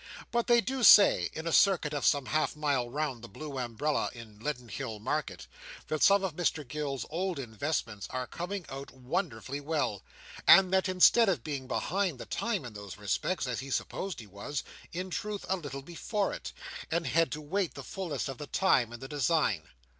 But they do say, in a circuit of some half mile round the blue umbrella in Leadenhall Market, that some of Mr Gills's old investments are coming out wonderfully well; and that instead of being behind the time in those respects, as he supposed, he was, in truth, a little before it, and had to wait the fulness of the time and the design.